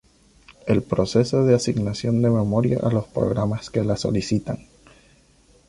El proceso de asignación de memoria a los programas que la solicitan.